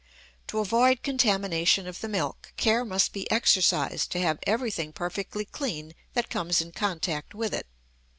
To avoid contamination of the milk care must be exercised to have everything perfectly clean that comes in contact with it.